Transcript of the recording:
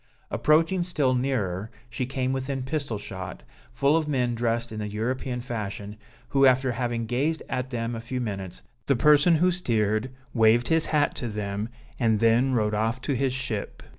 Approaching still nearer, she came within pistol shot, full of men dressed in the European fashion, who after having gazed at them a few minutes, the person who steered, waved his hat to them and then rowed off to his ship.